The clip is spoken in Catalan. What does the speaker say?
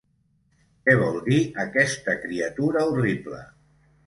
Què vol dir aquesta criatura horrible?